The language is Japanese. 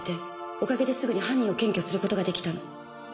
おかげですぐに犯人を検挙することができたの。